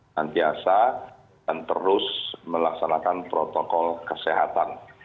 nanti asal dan terus melaksanakan protokol kesehatan